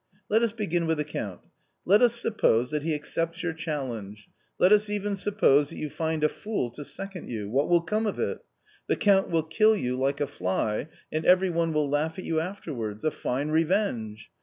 " Let us begin with the Count ; let as suppose that he accepts your challenge, let us even suppose that you find a fool to second you — what will come of it ? The Count will kill you, like a fly, and every one will laugh at you after wards ; a fine revenge.